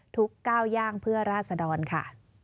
ทุกเก้าย่างเพื่อราศดรค่ะ